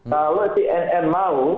kalau tnm mau